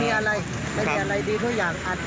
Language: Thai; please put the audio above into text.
เด็กยังอยู่ยังอยู่ทุกคน